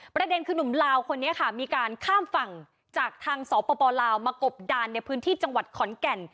ประเด็นคือหนุ่มลาวคนนี้ค่ะมีการข้ามฝั่งจากทางสปลาวมากบดานในพื้นที่จังหวัดขอนแก่น